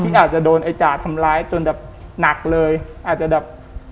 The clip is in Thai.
อาจจะโดนไอ้จ่าทำร้ายจนแบบหนักเลยอาจจะแบบ